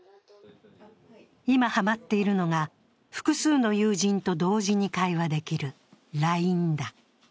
今ハマっているのが複数の友人と同時に会話できるＬＩＮＥだ。